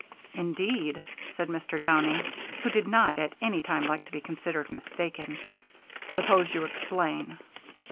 "Indeed!" said Mr. Downing, who did not at any time like to be considered mistaken. "Suppose you explain."